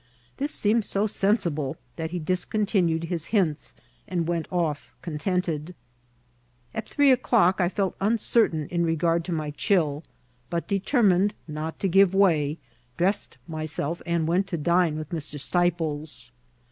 This seemed so sensible that he discontinued his hints and went off contented. At three o'clock I felt uncertain in regard to my chill, but, determined not to give way, dressed myself, and went to dine with Mr. Steiples.